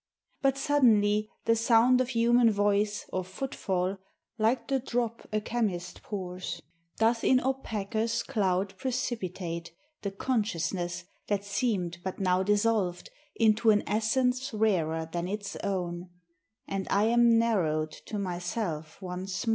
But suddenly the sound of human voice Or footfall, like the drop a chemist pours, Doth in opacous cloud precipitate The consciousness that seemed but now dissolved Into an essence rarer than its own, And I am narrowed to myself once more.